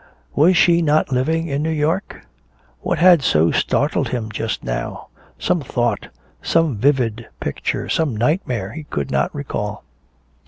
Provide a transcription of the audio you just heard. Was she not living in New York?... What had so startled him just now? Some thought, some vivid picture, some nightmare he could not recall.